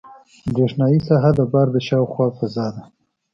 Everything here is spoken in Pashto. برېښنایي ساحه د بار د شاوخوا فضا ده.